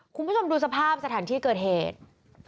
คุณผู้ชมดูสภาพสถานที่เกิดเหตุ